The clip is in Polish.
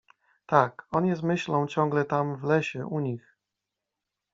— Tak, on jest myślą ciągle tam w lesie u nich…